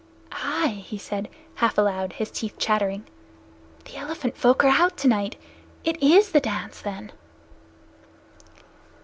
"Ai!" he said, half aloud, his teeth chattering. "The elephant folk are out tonight. It is the dance, then!"